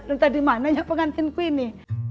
entah dimananya pengantinku ini